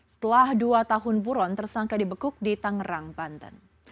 setelah dua tahun buron tersangka dibekuk di tangerang banten